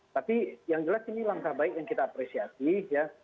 tapi yang jelas ini langkah baik yang kita apresiasi ya